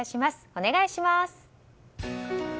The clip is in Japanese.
お願いします。